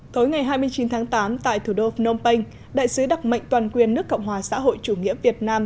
tối ngày hai mươi chín tháng tám tại thủ đô phnom penh đại sứ đặc mệnh toàn quyền nước cộng hòa xã hội chủ nghĩa việt nam